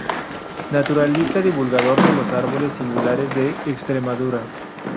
Naturalista divulgador de los árboles singulares de Extremadura.